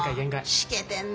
しけてんな。